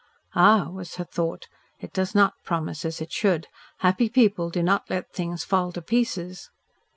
"Ah!" was her thought, "it does not promise as it should. Happy people do not let things fall to pieces."